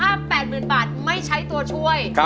กับเพลงนี้มูลค่า๘๐๐๐๐บาทไม่ใช้ตัวช่วย